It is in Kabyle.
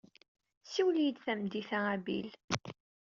Siwel-iyi-d tameddit-a a Bill.